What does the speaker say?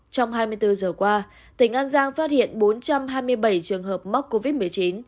trong hai mươi bốn giờ qua tỉnh an giang phát hiện bốn trăm hai mươi bảy trường hợp mắc covid một mươi chín